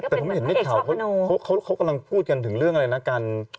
ก็เป็นเหมือนพระเอกชอบกันโน้มเขากำลังพูดกันถึงเรื่องอะไรนะกัน